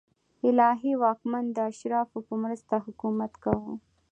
الهي واکمن د اشرافو په مرسته حکومت کاوه.